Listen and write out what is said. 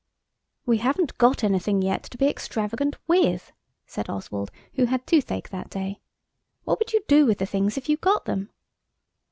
"We haven't got anything yet to be extravagant with," said Oswald, who had toothache that day. "What would you do with the things if you'd got them?"